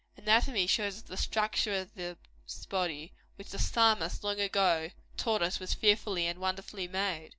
Anatomy shows us the structure of this body, which the Psalmist, long ago, taught us was fearfully and wonderfully made.